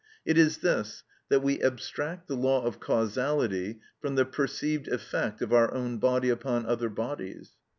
It is this, that we abstract the law of causality from the perceived effect of our own body upon other bodies.